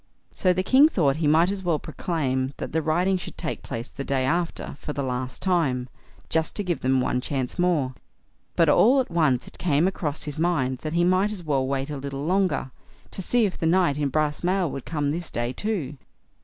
So the king thought he might as well proclaim that the riding should take place the day after for the last time, just to give them one chance more; but all at once it came across his mind that he might as well wait a little longer, to see if the knight in brass mail would come this day too.